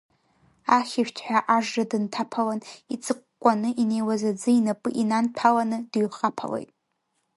Ахьышәҭҳәа ажра дынҭаԥалан, иҵыкәкәаны инеиуаз аӡы инапы инанҭәаланы дыҩхаԥалеит.